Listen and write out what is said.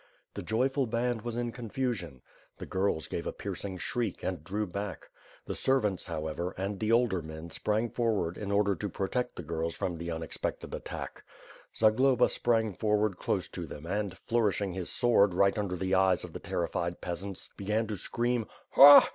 The joyful band was in confusion. The girls gave a piercing snriek and drew back. The servants, however, and the older men sprang forward in order to protect the girls from the unexpected attack. Zagloba sprang forward close to them and, flourishing his sword right under the eyes of the terrified peasants, began to scream: "Ha!